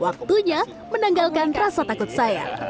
waktunya menanggalkan rasa takut saya